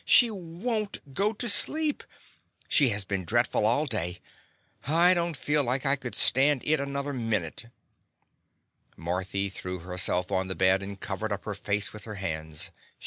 "She won't go to sleep. She has been dreadful all day. I don't feel like I could stand it another minute." Marthy threw herself on the bed The Confessions of a Daddy and covered up her face with her hands.